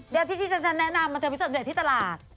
เดี๋ยวที่ฉันแนะนำเธอไปเสื้อเสริมสำเร็จที่ตลาด